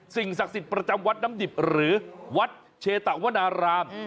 ศักดิ์สิทธิ์ประจำวัดน้ำดิบหรือวัดเชตะวนาราม